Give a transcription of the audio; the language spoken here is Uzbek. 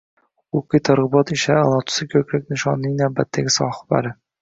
“Huquqiy targ‘ibot ishlari a’lochisi” ko‘krak nishonining navbatdagi sohiblari